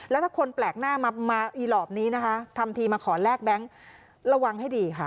แล้วถ้าคนแปลกหน้ามาอีหลอปนี้นะคะทำทีมาขอแลกแบงค์ระวังให้ดีค่ะ